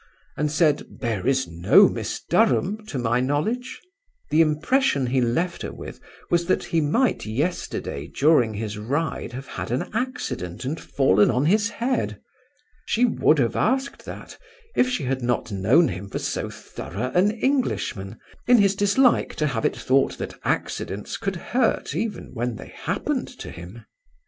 and said, "There is no Miss Durham to my knowledge." The impression he left with her was, that he might yesterday during his ride have had an accident and fallen on his head. She would have asked that, if she had not known him for so thorough an Englishman, in his dislike to have it thought that accidents could hurt even when they happened to him.